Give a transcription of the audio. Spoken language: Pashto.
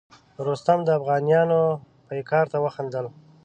رستم د افغانیانو پیکار ته وخندل.